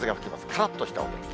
からっとしたお天気。